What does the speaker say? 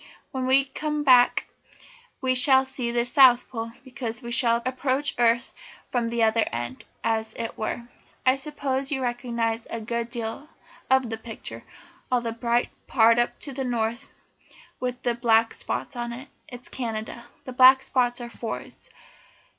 When we come back we shall see the South Pole, because we shall approach the earth from the other end, as it were. "I suppose you recognise a good deal of the picture. All that bright part up to the north, with the black spots on it, is Canada. The black spots are forests.